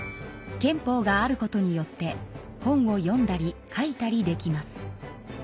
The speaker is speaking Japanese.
憲法があることによって本を読んだり書いたりできます。